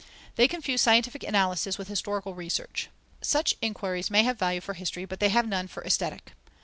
They confuse scientific analysis with historical research. Such inquiries may have value for history, but they have none for Aesthetic.